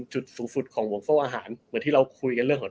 จุดสูตรของวงโฟอาหารแบบที่เราคุยกับเรื่องของ